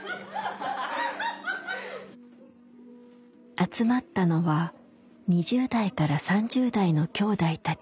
集まったのは２０代から３０代のきょうだいたち。